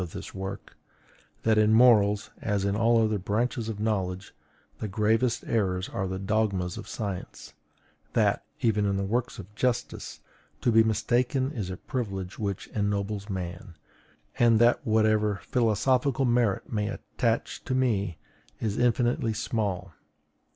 of this work, that in morals, as in all other branches of knowledge, the gravest errors are the dogmas of science; that, even in works of justice, to be mistaken is a privilege which ennobles man; and that whatever philosophical merit may attach to me is infinitely small.